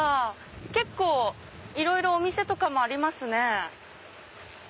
結構いろいろお店とかもありますね。